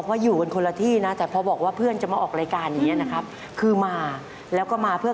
ผูกเสี่ยอกันไปแล้วเออ